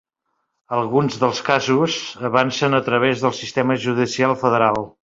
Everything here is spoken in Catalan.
Alguns dels casos avancen a través del sistema judicial federal.